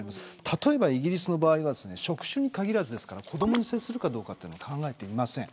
例えばイギリスは職種に限らずですから子どもに接するかどうかは考えていません。